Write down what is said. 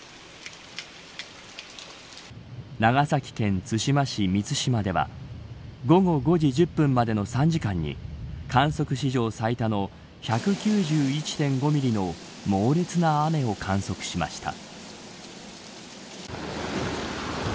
長崎県対馬市美津島では午後５時１０分までの３時間に観測史上最多の１９１．５ミリの猛烈な雨を観測しました。